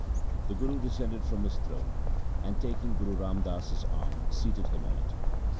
The Guru descended from his throne and, taking Guru Ram Das's arm, seated him on it.